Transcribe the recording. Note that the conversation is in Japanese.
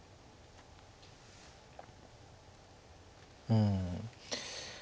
うん。